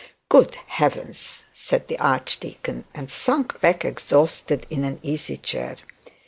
'Good heavens!' said the archdeacon, and sank back exhausted in an easy chair.